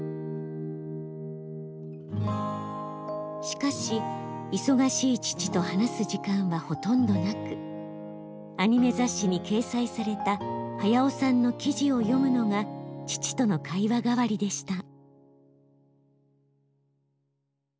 しかし忙しい父と話す時間はほとんどなくアニメ雑誌に掲載された駿さんの記事を読むのが父との会話代わりでした。